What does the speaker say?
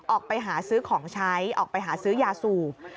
ออกไปหาซื้อของใช้ออกไปหาซื้อยาสูบ